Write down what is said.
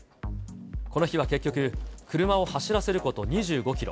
この日は結局、車を走らせること２５キロ。